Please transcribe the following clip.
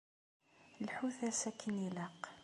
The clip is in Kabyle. Lḥut-as akken ilaq.